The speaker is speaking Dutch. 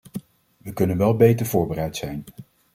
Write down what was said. We kunnen wel beter voorbereid zijn.